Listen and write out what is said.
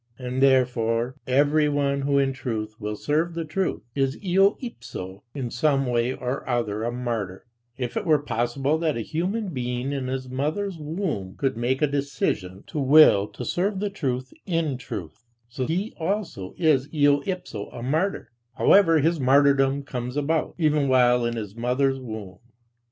And therefore everyone who in truth will serve the truth, is eo ipso in some way or other a martyr; if it were possible that a human being in his mother's womb could make a decision to will to serve "the truth" in truth, so he also is eo ipso a martyr, however his martyrdom comes about, even while in his mother's womb.